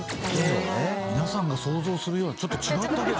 「皆さんが想像するような」ちょっと違ったけど。